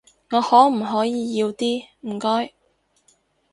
我可唔可以要啲，唔該？